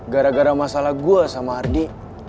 gara gara masalah gue sama ardi